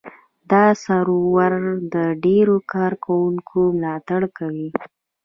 دا سرور د ډېرو کاروونکو ملاتړ کوي.